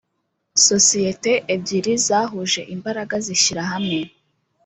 sosiyete ebyiri zahuje imbaraga zishyira hamwe